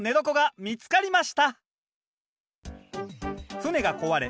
船が壊れ